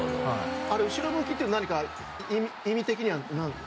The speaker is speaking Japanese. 後ろ向きっていうのは何か意味的には？